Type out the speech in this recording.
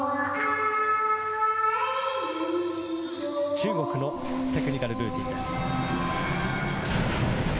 中国のテクニカルルーティンです。